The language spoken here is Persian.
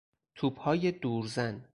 توپهای دورزن